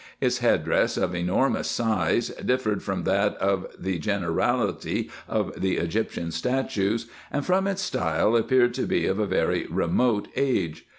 Its head dress, of enormous size, differed from that of the generality of the Egyptian statues, and from its style appeared to be of a very remote age.